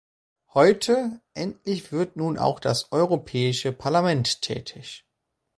Heute endlich wird nun auch das Europäische Parlament tätig.